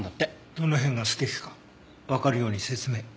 どの辺が素敵かわかるように説明。